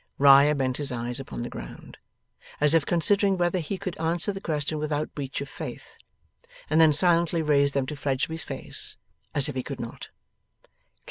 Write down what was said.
Riah bent his eyes upon the ground, as if considering whether he could answer the question without breach of faith, and then silently raised them to Fledgeby's face, as if he could not.